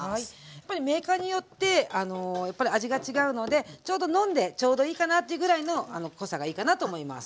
やっぱりメーカーによってやっぱり味が違うのでちょうど飲んでちょうどいいかなってぐらいの濃さがいいかなと思います。